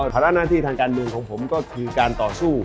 ฐานะหน้าที่ทางการเมืองของผมก็คือการต่อสู้